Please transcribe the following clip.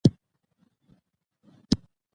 ښوونکي دې زدهکوونکو ته معیاري پښتو وښيي.